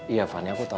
iya fanny aku tau